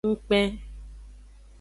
Ngkpen.